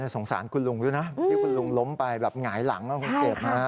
สงสารคุณลุงด้วยนะที่คุณลุงล้มไปแบบหงายหลังคนเจ็บฮะ